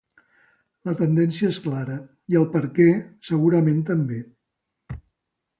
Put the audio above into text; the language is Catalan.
La tendència és clara, i el perquè, segurament, també.